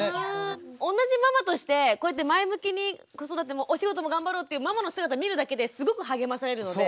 同じママとしてこうやって前向きに子育てもお仕事も頑張ろうっていうママの姿見るだけですごく励まされるので。